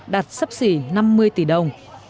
đạt sắp xỉ năm mươi tỷ đồng